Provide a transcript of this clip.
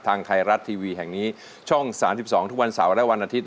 ทางไทยรัฐทีวีแห่งนี้ช่อง๓๒ทุกวันเสาร์และวันอาทิตย